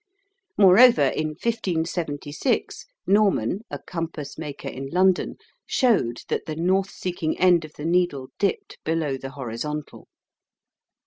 Moreover, in 1576, Norman, a compass maker in London, showed that the north seeking end of the needle dipped below the horizontal.